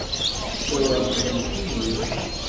Ssura-m temlek-iyi.